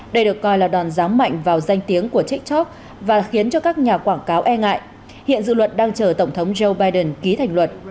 đây được coi là đòn giám mạnh vào danh tiếng của tiktok và khiến cho các nhà quảng cáo e ngại hiện dự luật đang chờ tổng thống joe biden ký thành luật